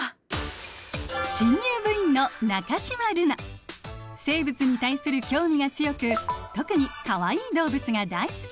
新入部員の生物に対する興味が強く特にかわいい動物が大好き。